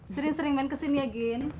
sering sering main kesini ya gaine